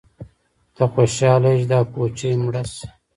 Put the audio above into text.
_ته خوشاله يې چې دا کوچۍ مړه شي؟